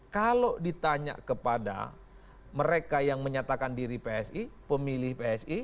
kalau ditanya kepada mereka yang menyatakan diri psi pemilih psi